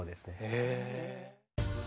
へえ。